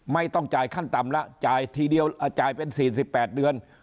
ไม่ต้องจ่ายขั้นต่ำละจ่ายทีเดียวจ่ายเป็น๔๘เดือน